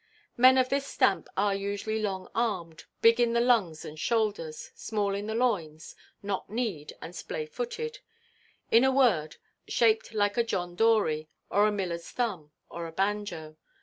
Men of this stamp are usually long–armed, big in the lungs and shoulders, small in the loins, knock–kneed, and splay–footed; in a word, shaped like a John Dory, or a millerʼs thumb, or a banjo.